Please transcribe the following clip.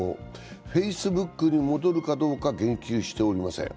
Ｆａｃｅｂｏｏｋに戻るかどうか言及しておりません。